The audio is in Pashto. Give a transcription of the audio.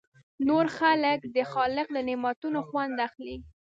نور خلک د خالق له نعمتونو خوند اخلي.